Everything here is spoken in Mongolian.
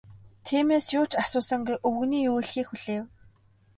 Тиймээс юу ч асуусангүй, өвгөний юу хэлэхийг хүлээв.